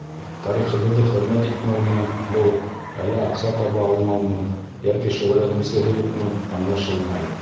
Тарихыбыҙҙы хөрмәт итмәүме был, әллә аҡса таба алмаумы йәки шөғөлләнеүсеһе юҡмы — аңлашылмай.